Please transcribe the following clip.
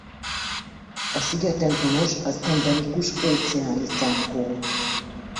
A szigeten honos az endemikus Óceáni cankó.